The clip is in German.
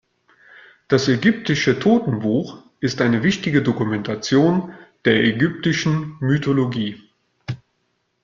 Das Ägyptische Totenbuch ist eine wichtige Dokumentation der ägyptischen Mythologie.